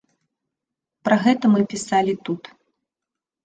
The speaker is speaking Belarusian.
Пра гэта мы пісалі тут.